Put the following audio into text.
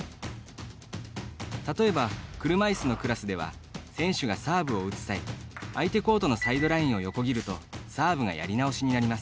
例えば、車いすのクラスでは選手がサーブを打つ際相手コートのサイドラインを横切るとサーブがやり直しになります。